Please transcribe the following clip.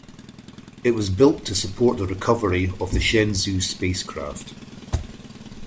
It was built to support the recovery of the Shenzhou spacecraft.